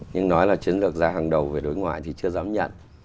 nhưng nói là chiến lược ra hàng đầu về đối ngoại thì chưa dám nhận